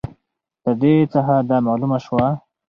د دې څخه دا معلومه سوه